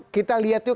kita lihat yuk